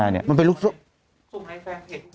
ส่วนในแฟนเพจทุกคนเลยดูแบบ